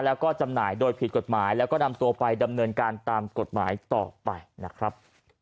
แล้วก็จำหน่ายโดยผิดกฎหมายแล้วก็นำตัวไปดำเนินการตามกฎหมายต่อไปนะครับ